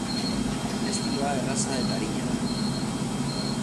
Estiloa erreza eta arina da.